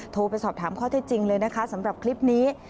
โทรไปสอบถามข้อเท็จจริงเลยนะคะสำหรับคลิปนี้